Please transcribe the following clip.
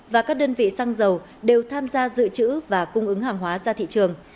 và các đơn vị xăng dầu đều tham gia dự trữ và cung ứng hàng hóa ra thị trường